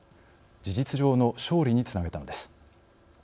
事実上の勝利につなげたのです。